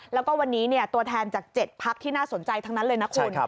แล้วก็วันนี้ตัวแทนจาก๗พักที่น่าสนใจทั้งนั้นเลยนะคุณ